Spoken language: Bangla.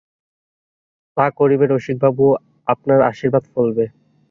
তা করবে রসিকবাবু, আপনার আশীর্বাদ ফলবে।